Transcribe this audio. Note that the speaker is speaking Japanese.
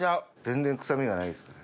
全然臭みがないですね。